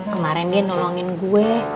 kemaren dia nolongin gue